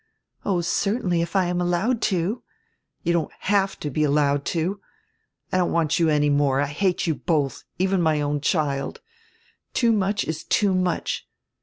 'Oh, certainly if I am allowed to!' You don't have to be allowed to. I don't want you any more, I hate you both, even my own child. Too much is too much.